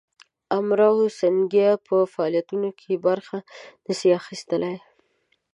امراو سینګه په فعالیتونو کې برخه نه سي اخیستلای.